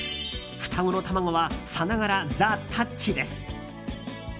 双子の卵は、さながらザ・たっちです。